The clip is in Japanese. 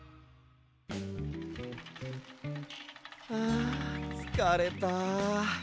あつかれた。